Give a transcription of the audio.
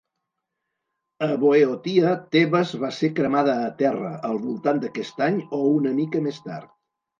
A Boeotia, Tebes va ser cremada a terra, al voltant d'aquest any o una mica més tard.